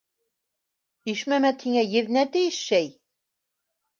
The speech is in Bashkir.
Ишмәмәт һиңә еҙнә тейеш, шәй!